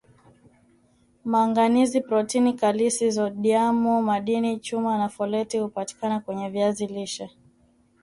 manganizi protini kalisi sodiamu madini chuma na foleti hupatikana kwenye viazi lishe